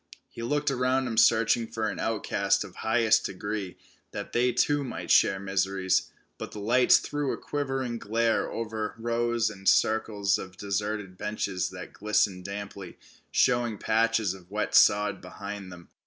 He looked about him searching for an outcast of highest degree that they too might share miseries, but the lights threw a quivering glare over rows and circles of deserted benches that glistened damply, showing patches of wet sod behind them.